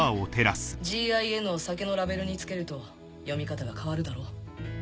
「ＧＩＮ」を酒のラベルにつけると読み方が変わるだろ？